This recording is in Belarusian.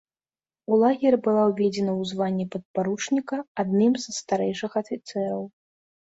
У лагеры была ўзведзена ў званне падпаручніка адным са старэйшых афіцэраў.